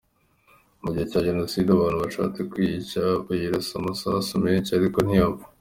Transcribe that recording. Mu gihe cya Jenoside abantu bashatse kuyica bayirasa amasasu menshi ariko ntiyapfa.